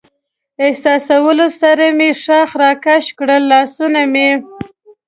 احساسولو سره مې ښاخ را کش کړل، لاسونه مې.